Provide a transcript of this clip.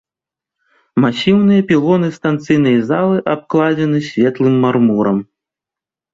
Масіўныя пілоны станцыйнай залы абкладзены светлым мармурам.